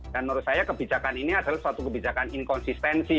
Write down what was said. dan menurut saya kebijakan ini adalah suatu kebijakan inkonsistensi